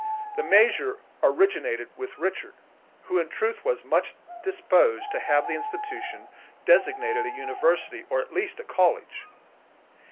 This measure originated with Richard, who, in truth, was much disposed to have the institution designated a university, or at least a college.